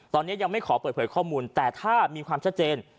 ตอนนี้ยังไม่ขอเปิดเผยข้อมูลแต่ถ้ามีความชัดเจน